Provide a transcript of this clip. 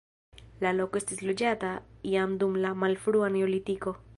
La loko estis loĝata jam dum la malfrua neolitiko.